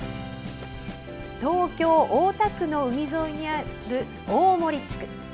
東京・大田区の海沿いにある大森地区。